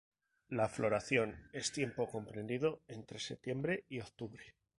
La floración es tiempo comprendido entre septiembre y octubre.